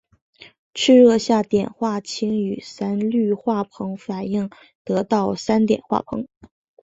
赤热下碘化氢与三氯化硼反应也得到三碘化硼。